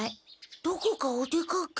どこかお出かけ？